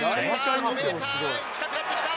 ５メーターライン、近くなってきた。